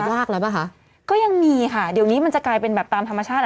แต่ว่าดูแล้วไหวหรอบก็ยังมีค่ะเดี๋ยวนี้มันจะกลายเป็นแบบตามธรรมชาติ